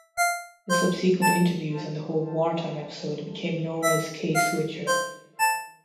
The subsequent interviews and the whole wartime episode became known as "Case Wicher".